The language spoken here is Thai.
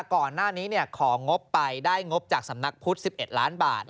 ก่อนหน้านี้ของงบไปได้งบจากสำนักพุทธ๑๑ล้านบาท